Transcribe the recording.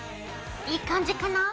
いい感じかな？